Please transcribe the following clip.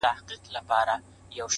امید انسان ژوندی ساتي